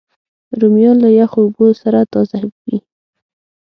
رومیان له یخو اوبو سره تازه وي